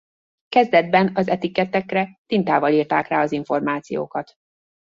Kezdetben az etiquette-ekre tintával írták rá az információkat.